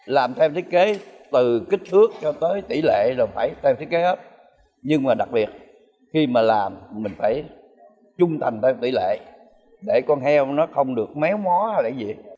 làm thêm thiết kế từ kích thước cho tới tỷ lệ rồi phải thêm thiết kế hết nhưng mà đặc biệt khi mà làm mình phải trung thành thêm tỷ lệ để con heo nó không được méo mó hay là cái gì